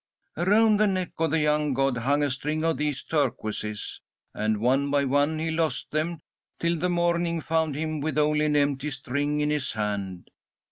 Around the neck of the young god hung a string of these turquoises, and one by one he lost them, till the morning found him with only an empty string in his hand.